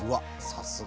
さすが。